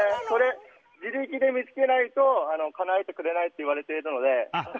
これ自力で見つけないとかなえてくれないといわれているので。